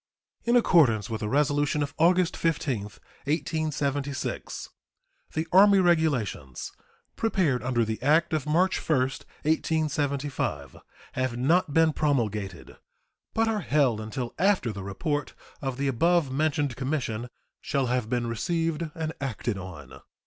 In accordance with the resolution of August 15, 1876, the Army regulations prepared under the act of March 1, 1875, have not been promulgated, but are held until after the report of the above mentioned commission shall have been received and acted on.